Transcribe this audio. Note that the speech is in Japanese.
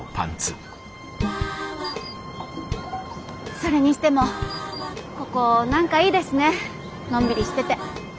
それにしてもここ何かいいですねのんびりしてて。